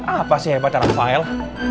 apa sih hebat rafael